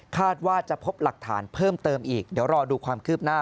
ว่าจะพบหลักฐานเพิ่มเติมอีกเดี๋ยวรอดูความคืบหน้า